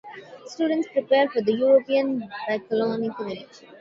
Students prepare for the European Baccalaureate.